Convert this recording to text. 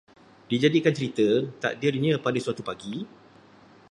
Dijadikan cerita, takdirnya pada suatu pagi